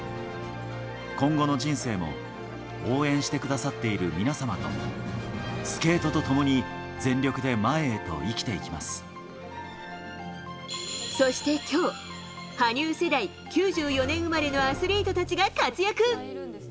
今後の人生も、応援してくださっている皆様と、スケートと共に、全力で前へと、そしてきょう、羽生世代、９４年生まれのアスリートたちが活躍。